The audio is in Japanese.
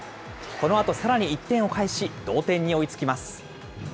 このあとさらに１点を返し、同点に追いつきます。